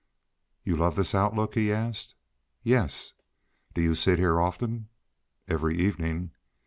"You love this outlook?" he asked. "Yes." "Do you sit here often?" "Every evening."